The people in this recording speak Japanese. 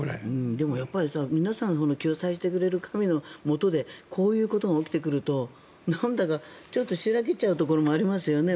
でも、やっぱり皆さん救済してくれる神のもとでこういうことが起きてくるとなんだかしらけちゃうところもありますよね。